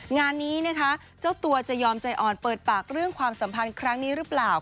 งานนี้นะคะเจ้าตัวจะยอมใจอ่อนเปิดปากเรื่องความสัมพันธ์ครั้งนี้หรือเปล่า